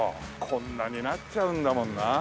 こんなになっちゃうんだもんなあ。